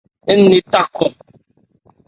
Ɔ́n ne tha cɔn.